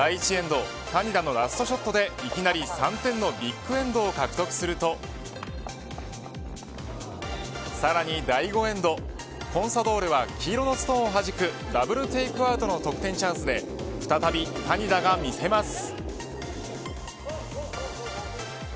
第１エンド谷田のラストショットでいきなり３点のビッグエンドを獲得するとさらに第５エンドコンサドーレは黄色のストーンをはじくダブルテークアウトの得点チャンスで再び谷田が見せます。